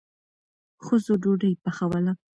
ښځو ډوډۍ پخوله.